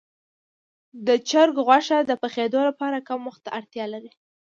د چرګ غوښه د پخېدو لپاره کم وخت ته اړتیا لري.